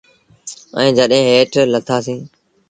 ائيٚݩ جڏيݩ هيٺ لٿآ سيٚݩ۔